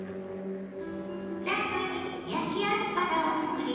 最後に焼きアスパラを作ります。